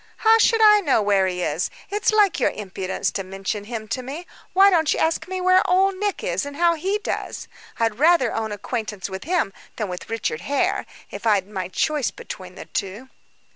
"How should I know where he is? It's like your impudence to mention him to me. Why don't you ask me where Old Nick is, and how he does? I'd rather own acquaintance with him than with Richard Hare, if I'd my choice between the two."